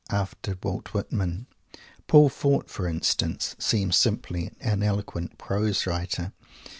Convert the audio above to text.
After Walt Whitman, Paul Fort, for instance, seems simply an eloquent prose writer.